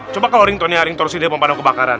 coba kelo ringtone ya ringtone sini deh pang panas kebakaran